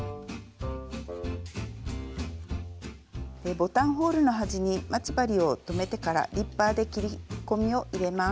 ボタンホールの端に待ち針を留めてからリッパーで切り込みを入れます。